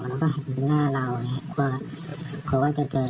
แล้วก็เห็นหน้าเราเนี่ยครับกลัวกลัวว่าจะเจอ